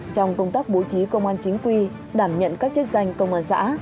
trong công tác bố trí công an chính quy đảm nhận các chức danh công an xã